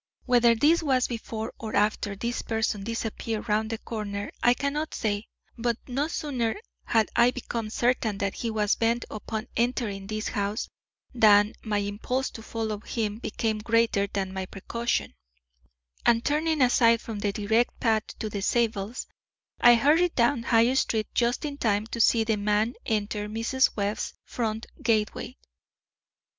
Whether this was before or after this person disappeared round the corner I cannot say, but no sooner had I become certain that he was bent upon entering this house than my impulse to follow him became greater than my precaution, and turning aside from the direct path to the Zabels', I hurried down High Street just in time to see the man enter Mrs. Webb's front gateway.